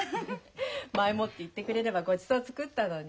前もって言ってくれればごちそう作ったのに。